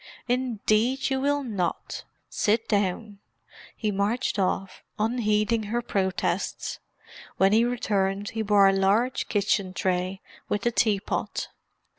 "Indeed, you will not. Sit down." He marched off, unheeding her protests. When he returned, he bore a large kitchen tray, with the teapot.